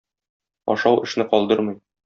Ашау эшне калдырмый.